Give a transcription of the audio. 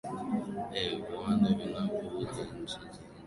ee viwanda vinavyo uza nchi za nje